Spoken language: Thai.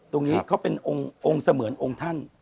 ตรงนี้เขาเป็นองค์เสมือนองค์ท่าน